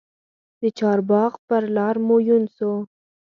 د چارباغ پر لار مو یون سو